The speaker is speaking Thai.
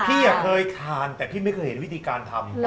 พี่เคยทานแต่พี่ไม่เคยเห็นวิธีการทำ